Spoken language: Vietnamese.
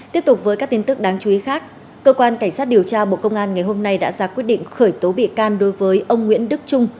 tiếp tục với các tin tức đáng chú ý khác cơ quan cảnh sát điều tra bộ công an ngày hôm nay đã ra quyết định khởi tố bị can đối với ông nguyễn đức trung